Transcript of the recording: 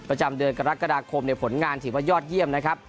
ประจำเดือนกรกฎาคมผลงานถือว่ายอดเยี่ยมนะครับ